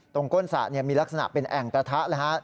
ตรงก้นศะมีลักษณะเป็นแอ่งตะทะ